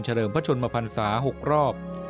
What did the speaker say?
เฉลิมพระชนมภัณษาหกรอบ